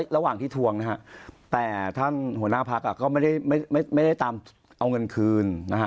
ระหว่างที่ทวงนะฮะแต่ท่านหัวหน้าพักก็ไม่ได้ตามเอาเงินคืนนะฮะ